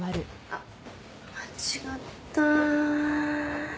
あっ間違った。